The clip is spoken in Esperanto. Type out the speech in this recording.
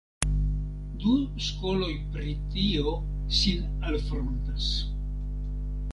Du skoloj pri tio sin alfrontas.